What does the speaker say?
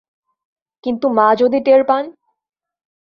কিন্তু মা যদি টের পান?